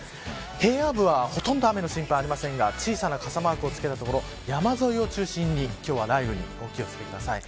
平野部はほとんど雨の心配がありませんが小さな傘マークをつけた所山沿いを中心に今日は雷雨にお気を付けください。